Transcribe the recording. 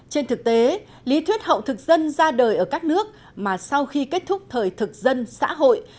trên thực tế lý thuyết hậu thực dân ra đời ở các nước mà sau khi kết thúc thời thực dân xã hội